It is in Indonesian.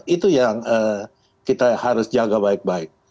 itu yang kita harus jaga baik baik